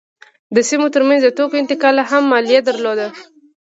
د سیمو ترمنځ د توکو انتقال هم مالیه درلوده.